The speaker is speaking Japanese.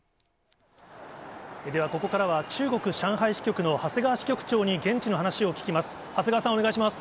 では、ここからは中国・上海支局の長谷川支局長に、現地の話を聞きます。